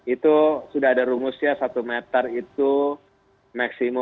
itu sudah ada rumusnya satu meter itu maksimum